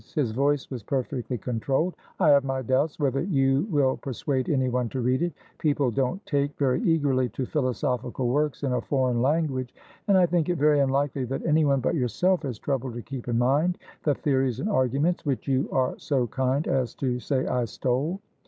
His voice was perfectly controlled. "I have my doubts whether you will persuade anyone to read itpeople don't take very eagerly to philosophical works in a foreign languageand I think it very unlikely that anyone but yourself has troubled to keep in mind the theories and arguments which you are so kind as to say I stole.